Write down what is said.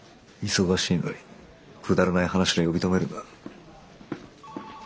忙しいのにくだらない話で呼び止めるな。